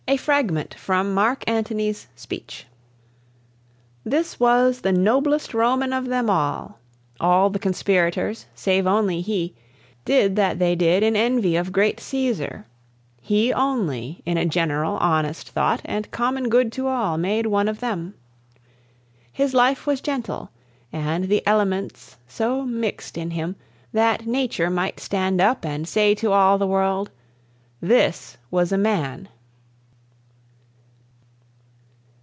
A FRAGMENT FROM MARK ANTONY'S SPEECH. This was the noblest Roman of them all: All the conspirators, save only he, Did that they did in envy of great Cæsar; He only, in a general honest thought And common good to all, made one of them. His life was gentle; and the elements So mix'd in him, that Nature might stand up, And say to all the world, "This was a man!"